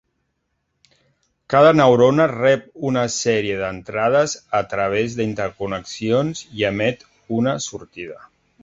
Cada neurona rep una sèrie d'entrades a través d'interconnexions i emet una sortida.